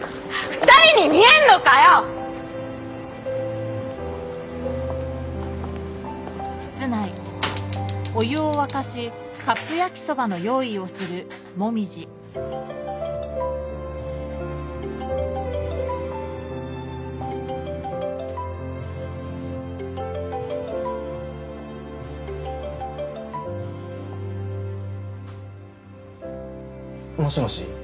２人に見えんのかよ！もしもし？